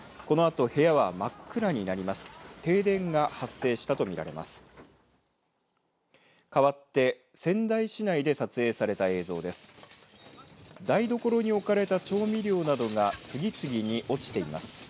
このあと部屋は真っ暗になります。